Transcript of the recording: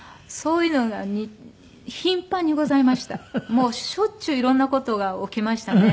もうしょっちゅう色んな事が起きましたね。